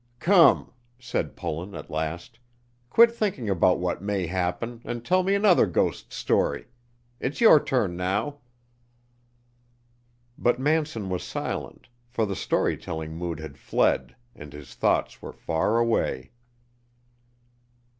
"Come," said Pullen at last, "quit thinking about what may happen, and tell me another ghost story. It's your turn now." But Manson was silent, for the story telling mood had fled, and his thoughts were far away.